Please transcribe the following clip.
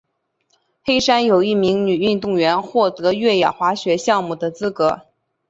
黑山有一名女运动员获得越野滑雪项目的资格。